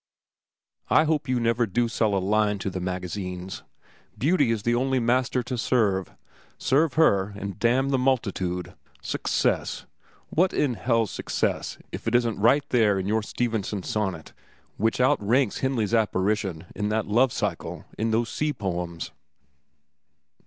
I hope you never do sell a line to the magazines. Beauty is the only master to serve. Serve her and damn the multitude! Success! What in hell's success if it isn't right there in your Stevenson sonnet, which outranks Henley's 'Apparition,' in that 'Love cycle,' in those sea poems?